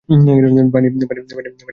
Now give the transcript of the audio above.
পানির, বিয়ার উপরে এনো না।